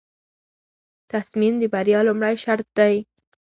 تصمیم د بریا لومړی شرط دی.